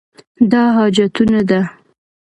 دا حاجتونه ده.